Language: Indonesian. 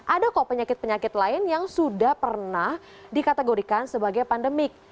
ada kok penyakit penyakit lain yang sudah pernah dikategorikan sebagai pandemik